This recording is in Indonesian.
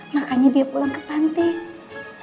makanya dia pulang ke pantai